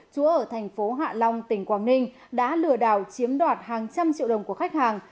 chú ở thành phố hạ long tỉnh quảng ninh đã lừa đảo chiếm đoạt hàng trăm triệu đồng của khách hàng